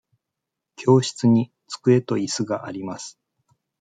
教室に机といすがあります。